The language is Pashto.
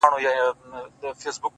• ډېر پخوا سره ټول سوي ډېر مرغان وه,